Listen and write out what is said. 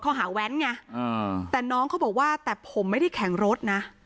เขาหาแว้นไงแต่น้องเขาบอกว่าแต่ผมไม่ได้แข่งรถนะ